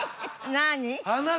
何？